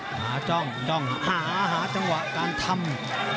พาจร่องจร่องหาจังหวะการทำ